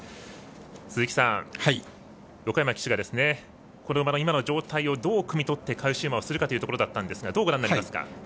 鈴木さん、横山騎手がこの馬の今の状態をどうくみとって返し馬をするかというところですが、どうご覧になりますか。